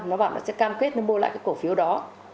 nó bảo là sẽ cam kết nó mua lại cái cổ phiếu đó